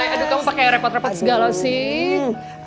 aduh kamu pakai repot repot segala sih